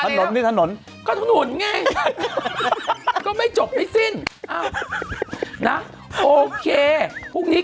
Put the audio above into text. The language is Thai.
ถนนนี่ถนนก็ถนนไงก็ไม่จบไม่สิ้นอ้าวนะโอเคพรุ่งนี้